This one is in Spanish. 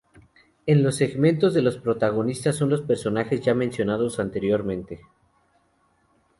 En los segmentos los protagonistas son los personajes ya mencionados anteriormente.